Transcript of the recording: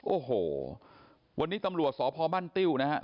โอ้โหวันนี้ตำรวจสพบ้านติ้วนะฮะ